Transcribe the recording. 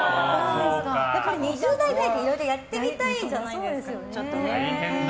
２０代とかっていろいろやってみたいじゃないですか。